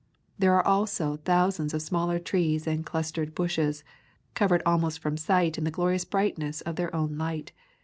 There are also thousands of smaller trees and clustered bushes, covered almost from sight in the glorious brightness of their own light.